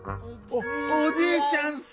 おおじいちゃん